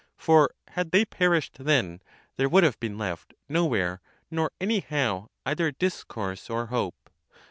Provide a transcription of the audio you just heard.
For had they perished then, there would have been left no where nor any how either a discourse or hope.